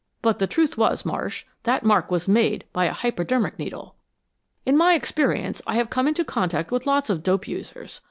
But the truth was, Marsh, that mark was made by a hypodermic needle!" "In my experience I have come into contact with lots of dope users.